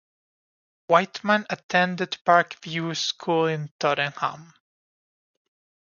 Whiteman attended Park View School in Tottenham.